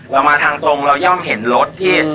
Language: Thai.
เรามาทางตรงเราย่อมเห็นรถที่